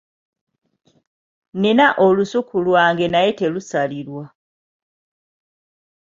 Nina olusuku lwange naye terusalirwa.